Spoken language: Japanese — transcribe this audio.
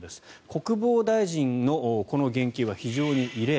国防大臣のこの言及は非常に異例。